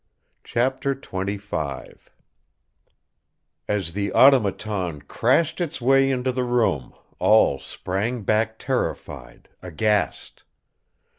CHAPTER XXV As the Automaton crashed its way into the room all sprang back terrified, aghast.